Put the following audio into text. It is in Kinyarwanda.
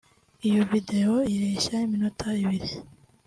Iyo video ireshya n’iminota ibiri